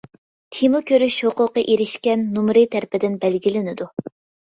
تېما كۆرۈش ھوقۇقى ئېرىشكەن نومۇرى تەرىپىدىن بەلگىلىنىدۇ.